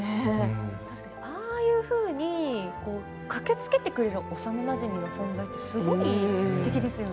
確かに、ああいうふうに駆けつけてくれる幼なじみの存在ってすごいすてきですよね。